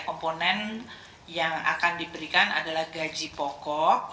komponen yang akan diberikan adalah gaji pokok